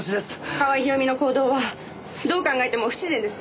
川合ひろみの行動はどう考えても不自然です。